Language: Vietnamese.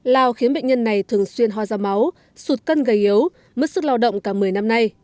lao khiến bệnh nhân này thường xuyên ho ra máu sụt cân gầy yếu mất sức lao động cả một mươi năm nay